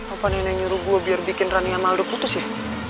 apa nenek nyuruh gue biar bikin rania sama aldo putus ya